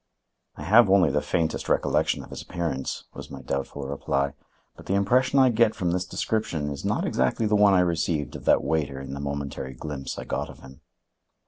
"I have only the faintest recollection of his appearance," was my doubtful reply. "But the impression I get from this description is not exactly the one I received of that waiter in the momentary glimpse I got of him."